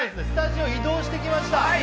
我々はスタジオ移動してきました。